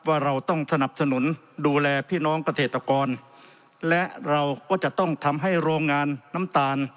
ว่าเราต้องสนับสนุนดูแลพี่น้องเกษตรกรและเราก็จะต้องทำให้โรงงานน้ำตาล